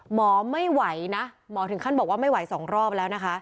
หมอไม่ไหวนะหมอถึงขั้นบอกว่าไม่ไหว๒รอบแล้วนะคะ